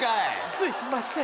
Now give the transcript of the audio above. すいません